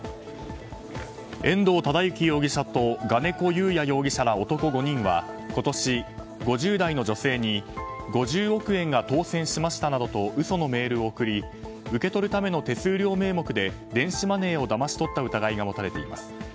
遠藤忠幸容疑者と我如古祐弥容疑者ら男５人は今年、５０代の女性に５０億円が当せんしましたなどと嘘のメールを送り受け取るための手数料名目で電子マネーをだまし取った疑いが持たれています。